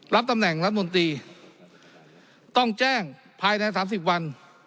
รับตำแหน่งรัฐมนตรีต้องแจ้งภายใน๓๐วัน